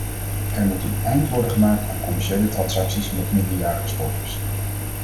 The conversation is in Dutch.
Er moet een eind worden gemaakt aan commerciële transacties met minderjarige sporters.